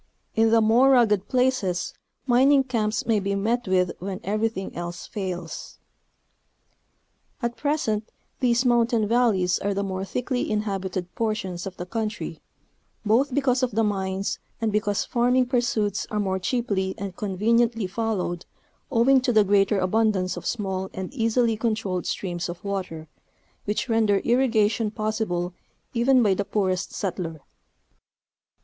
In the more rugged places mining camps may be 'met with when everything else fails. At present these mountain valleys are the more thickly inhabi ted portions of the country, both because of the mines and because farming pursuits are more cheaply and conveniently followed owing to the greater abundance of small and easily controlled streams of water, which render irrigation possible even by the poorest settler.